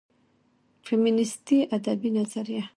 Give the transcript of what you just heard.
فيمينستى ادبى نظريه